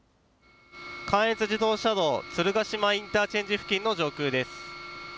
関越自動車道鶴ヶ島インターチェンジ付近の上空です。